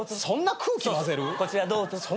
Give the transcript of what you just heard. そんな空気まぜる？